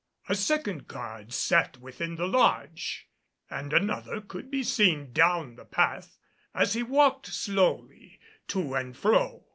A second guard sat within the lodge, and another could be seen down the path as he walked slowly to and fro.